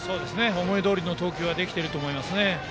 思いどおりの投球ができていると思いますね。